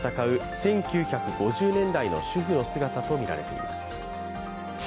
１９５０年代の主婦の姿とみられています。